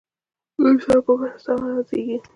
له سم فکر نه سم عمل زېږي.